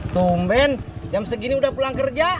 tumben jam segini udah pulang kerja